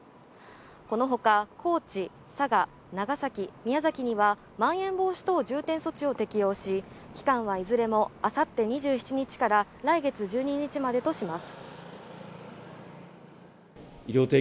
このほか高知、佐賀、長崎、宮崎にはまん延防止等重点措置を適用し、期間はいずれも明後日２７日から来月１２日までとします。